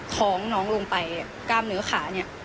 ท้องน้องลงไปกล้ามเนื้อขาเนี่ย